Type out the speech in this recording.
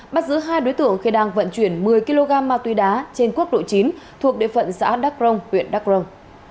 bắt giữ hai đối tượng khi đang vận chuyển một mươi kg ma tuy đá trên quốc độ chín thuộc địa phận xã đắc rông huyện đắc rông